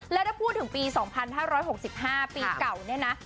แล้วถ้าพูดถึงปี๒๕๖๕ปีเก่าเนี่ยนะ